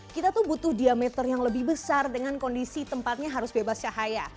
kita tuh butuh diameter yang lebih besar dengan kondisi tempatnya harus bebas cahaya